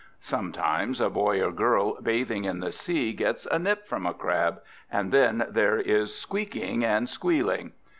Sometimes a boy or girl bathing in the sea gets a nip from a crab, and then there is squeaking and squealing.